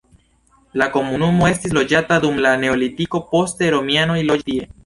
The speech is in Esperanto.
La komunumo estis loĝata dum la neolitiko, poste romianoj loĝis tie.